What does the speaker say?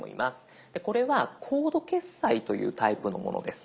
これはコード決済というタイプのものです。